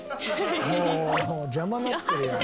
もう邪魔なってるやん。